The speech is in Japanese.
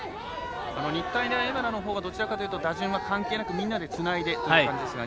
日体大荏原のほうはどちらかというと打順関係なく、みんなでつないでということですが